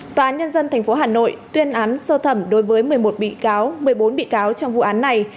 tòa án nhân dân tp hà nội tuyên án sơ thẩm đối với một mươi một bị cáo một mươi bốn bị cáo trong vụ án này